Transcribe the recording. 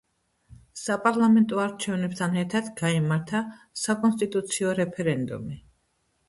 საპარლამენტო არჩევნებთან ერთად გაიმართა საკონსტიტუციო რეფერენდუმი.